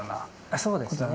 そうですね。